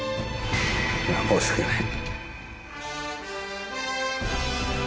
申し訳ない。